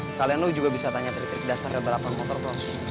sekalian lu juga bisa tanya trik trik dasar balapan motor cross